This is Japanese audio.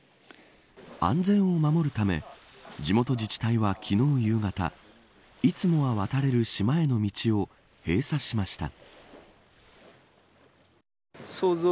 安全を守るため地元自治体は昨日夕方いつもは渡れる島への道を閉鎖しました。